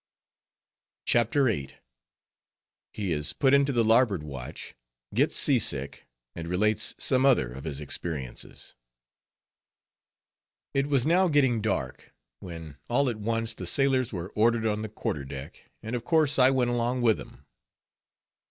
CHAPTER VIII. HE IS PUT INTO THE LARBOARD WATCH; GETS SEA SICK; AND RELATES SOME OTHER OF HIS EXPERIENCES It was now getting dark, when all at once the sailors were ordered on the quarter deck, and of course I went along with them.